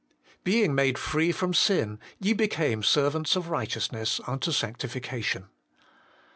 5. ' Being made free from sin, ye became servants of righteousness unto sanctification.'